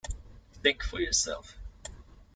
Think for yourself.